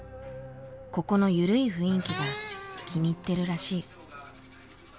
ここの緩い雰囲気が気に入ってるらしい。